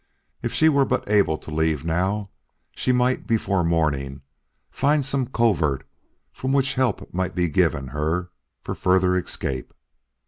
If she were but able to leave now, she might before morning find some covert from which help might be given her for further escape.